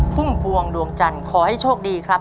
พุ่มพวงดวงจันทร์ขอให้โชคดีครับ